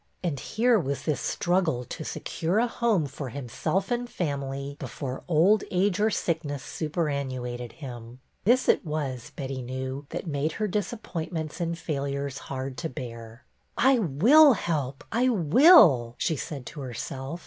And here was this struggle to secure a home for himself 262 BETTY BAIRD'S VENTURES and family before old age or sickness super annuated him. This it was, Betty knew, that made her disappointments and failures hard to bear. '' I will help, I will !" she said to herself.